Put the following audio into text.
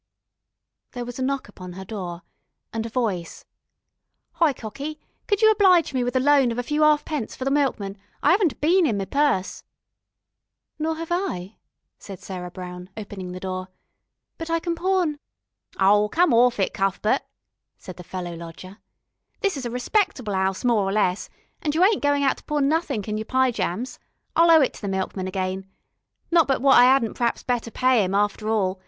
There was a knock upon her door, and a voice: "Hi, cocky, could you oblige me with a loan of a few 'alfpence for the milkman. I 'aven't a bean in me purse." "Nor have I," said Sarah Brown, opening the door. "But I can pawn " "Ow, come awf it, Cuffbut," said the fellow lodger. "This is a respectable 'ouse, more or less, and you ain't goin' out to pawn nothink in your py jams. I'll owe it to the milkman again. Not but what I 'adn't p'raps better pay 'im after all.